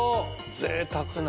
ぜいたくな。